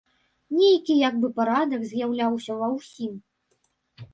Нейкі як бы парадак з'яўляўся ва ўсім.